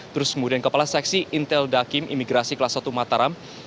terus kemudian kepala seksi intel dakim imigrasi kelas satu mataram